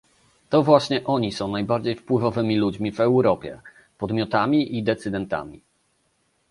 To właśnie oni są najbardziej wpływowymi ludźmi w Europie, podmiotami i decydentami